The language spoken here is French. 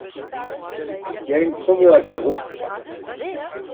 Y a une promo à Carrouf.